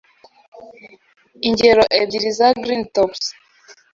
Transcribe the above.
Ingero ebyiri za green tops,